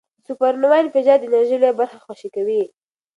د سوپرنووا انفجار د انرژۍ لویه برخه خوشې کوي.